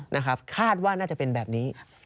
นะครับคาดว่าน่าจะเป็นแบบนี้